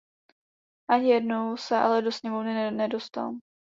Ani jednou se ale do Sněmovny nedostal.